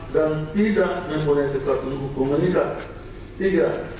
dan tidak mempunyai titik hukum menikah